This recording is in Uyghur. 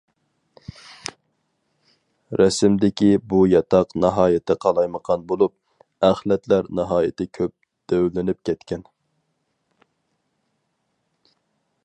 رەسىمدىكى بۇ ياتاق ناھايىتى قالايمىقان بولۇپ، ئەخلەتلەر ناھايىتى كۆپ دۆۋىلىنىپ كەتكەن.